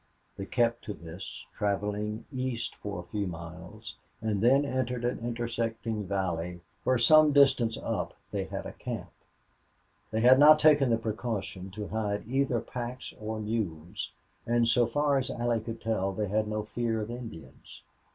They kept to this, traveling east for a few miles, and then entered an intersecting valley, where some distance up they had a camp. They had not taken the precaution to hide either packs or mules, and so far as Allie could tell they had no fear of Indians.